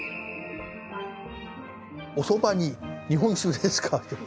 おそばに日本酒ですか。